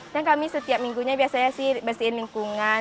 dan kami setiap minggunya biasanya sih bersihin lingkungan